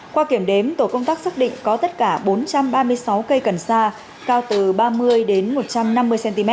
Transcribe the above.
qua kiểm đếm tổ công tác xác định có tất cả bốn trăm ba mươi sáu cây cần sa cao từ ba mươi đến một trăm năm mươi cm